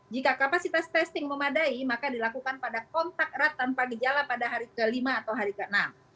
jika kapasitas testing memadai maka dilakukan pada kontak erat tanpa gejala pada hari kelima atau hari ke enam